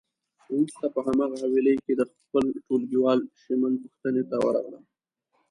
وروسته په هماغه حویلی کې د خپل ټولګیوال شېمن پوښتنه ته ورغلم.